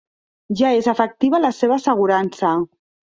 Ja és efectiva la seva assegurança.